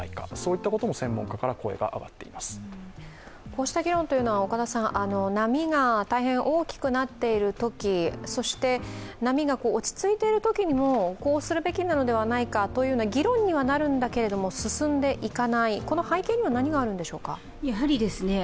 こうした議論というのは波が大変大きくなっているときそして波が落ち着いているときにもこうするべきなのではないかと議論にはなるんだけども、進んでいかない背景には何があるんでしょうか？